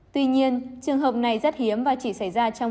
tuy nhiên trường hợp này rất hiếm và chỉ xảy ra trong